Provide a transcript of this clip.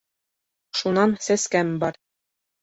Шунан сәскәм бар.